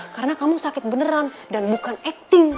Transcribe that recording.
karena kamu sakit beneran dan bukan acting